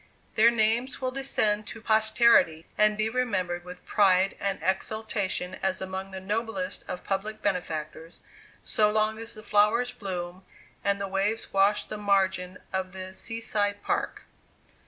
Their names will descend to posterity, and be remembered with pride and exultation as among the noblest of public benefactors, so long as the flowers bloom and the waves wash the margin of the Sea side Park.